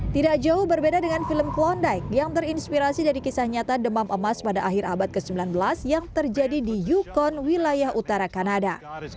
tidak jauh berbeda dengan film klondike yang terinspirasi dari kisah nyata demam emas pada akhir abad ke sembilan belas yang terjadi di yukon wilayah utara kanada